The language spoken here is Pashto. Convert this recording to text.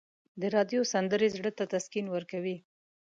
د راډیو سندرې زړه ته تسکین ورکوي.